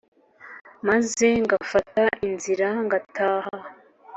Maze ngafata inzira ngataha